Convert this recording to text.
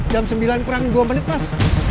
jam sembilan kurang dua menit mas